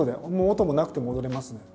音もなくても踊れますね。